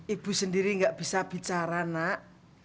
ibu sendiri nggak bisa bicara nak